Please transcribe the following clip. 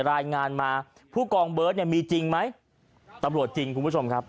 รายงานมาผู้กองเบิร์ตเนี่ยมีจริงไหมตำรวจจริงคุณผู้ชมครับ